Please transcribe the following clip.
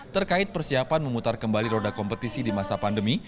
terkait persiapan memutar kembali roda kompetisi di masa pandemi